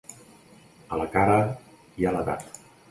A la cara hi ha l'edat.